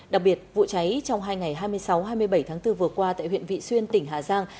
đặc biệt vụ cháy trong hai ngày hai mươi sáu hai mươi bảy tháng bốn vừa qua tại huyện vị xuyên tỉnh hà giang